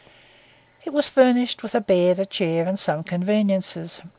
It was furnished with a bed, a chair, and some conveniences.